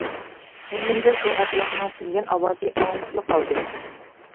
كەينىمدىن ئۇ ئەبلەخنىڭ كۈلگەن ئاۋازى ئاڭلىنىپلا قالدى.